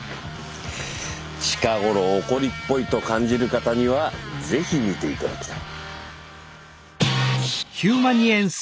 近頃怒りっぽいと感じる方にはぜひ見て頂きたい。